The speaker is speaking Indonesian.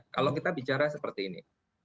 kalau kita bicara seperti ini